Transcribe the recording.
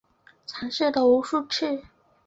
尝试了无数次